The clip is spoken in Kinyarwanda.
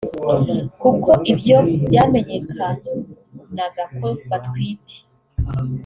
kuko iyo byamenyekanaga ko batwite